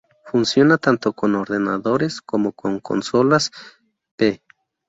Funciona tanto con ordenadores como con consolas, p.